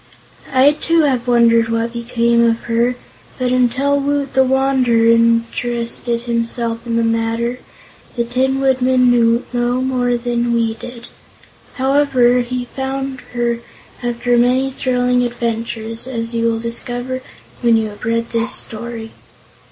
I, too, have wondered what became of her, but until Woot the Wanderer interested himself in the matter the Tin Woodman knew no more than we did. However, he found her, after many thrilling adventures, as you will discover when you have read this story.